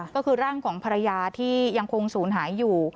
ก็คือร่างของภรรยาที่ยังคงศูนย์หายอยู่